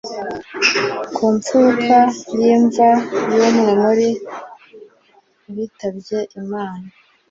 ku mfuruka y'imva y'umwe muri bitabye imana